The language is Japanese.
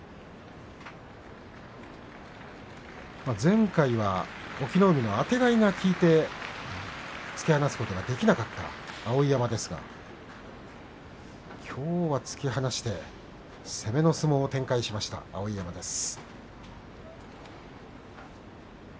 前回は隠岐の海のあてがいが効いて突き放すことができなかった碧山ですがきょう、突き放して攻めの相撲を展開しました碧山です。